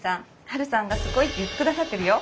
ハルさんがすごいって言ってくださってるよ。